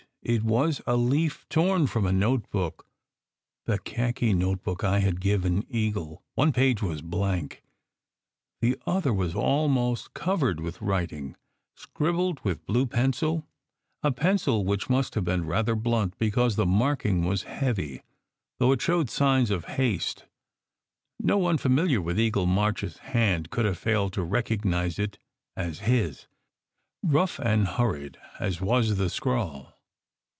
It was a leaf torn from a notebook the khaki notebook I had given Eagle. One page was blank. The other was almost covered with writ ing, scribbled with blue pencil, a pencil which must have been rather blunt, because the marking was heavy, though it showed signs of haste. No one familiar with Eagle March s hand could have failed to recognize it as his, rough and hurried as was the scrawl.